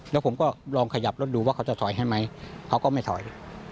แล้วผมก็ลองขยับรถดูว่าเขาจะถอยให้ไหมเขาก็ไม่ถอย